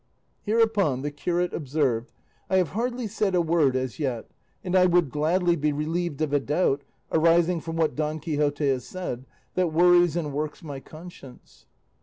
Hereupon the curate observed, "I have hardly said a word as yet; and I would gladly be relieved of a doubt, arising from what Don Quixote has said, that worries and works my conscience."